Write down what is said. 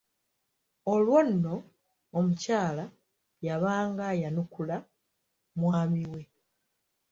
Olwo nno omukyala yabanga ayanukula mwami we.